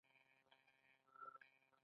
هغه تل هڅه کوي چې خپل وخت سم تنظيم کړي.